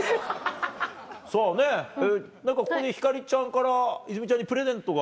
さぁ何かここで星ちゃんから泉ちゃんにプレゼントが。